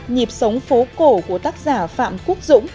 nhịp sống phố cổ của tác giả phạm quốc dũng